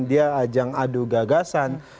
dia ajang adu gagasan